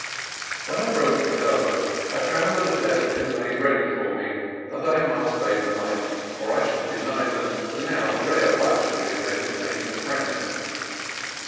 When I rose to go, I found that a bed had been made ready for me, and I must stay the night or I should deny them the now rare luxury of entertain ing a friend.